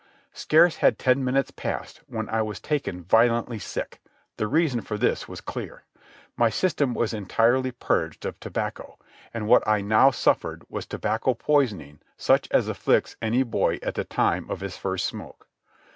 Scarce had ten minutes passed when I was taken violently sick. The reason for this was clear. My system was entirely purged of tobacco, and what I now suffered was tobacco poisoning such as afflicts any boy at the time of his first smoke.